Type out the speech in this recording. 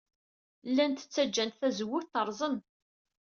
Llant ttajjant tazewwut terẓem.